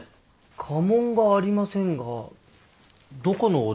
家紋がありませんがどこのお大名です？